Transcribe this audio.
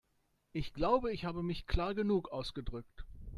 Ich glaube, ich habe mich klar genug ausgedrückt.